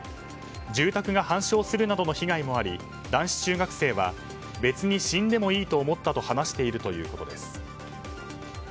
住宅が半焼するなどの被害もあり男子中学生は別に死んでもいいと思ったと話しているということです。